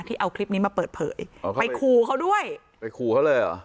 เอาคลิปนี้มาเปิดเผยไปขู่เขาด้วยไปขู่เขาเลยเหรอ